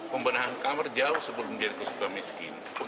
pembenahan kamar jauh sebelum dia juga sudah miskin